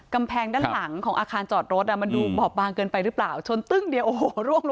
กำแพงด้านหลังของอาคารจอดรถมันดูบ่ายมาก